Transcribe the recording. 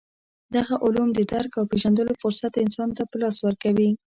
دغه علوم د درک او پېژندلو فرصت انسان ته په لاس ورکوي.